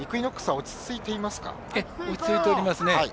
落ち着いておりますね。